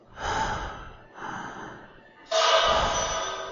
头孢唑肟常态下为白色或淡黄色结晶。